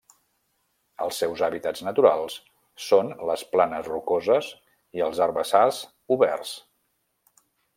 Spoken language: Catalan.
Els seus hàbitats naturals són les planes rocoses i els herbassars oberts.